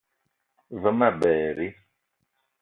Ve ma berri